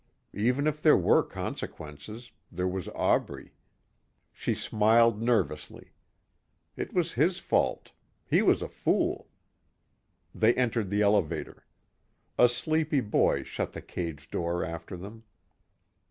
Even if there were consequences there was Aubrey. She smiled nervously. It was his fault. He was a fool. They entered the elevator. A sleepy boy shut the cage door after them.